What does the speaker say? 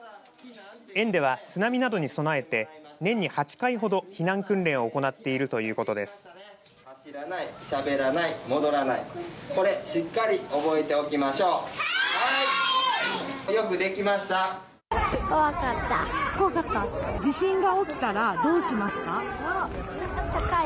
園では、津波などに備えて年に８回ほど避難訓練を行っているということです。